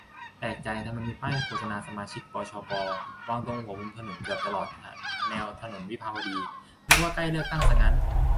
แปลกใจทำไมมีป้ายโฆษณาสมาชิก ปชป วางตรงหัวมุมถนนเกือบตลอดแนวถนนวิภาวดี นึกว่าใกล้เลือกตั้งซะงั้น